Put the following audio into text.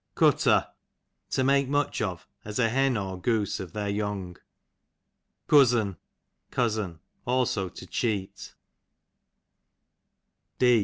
Cutter, to make much of, as a hen or goose of their young. Cuzz'n, cousin ; also to cheat.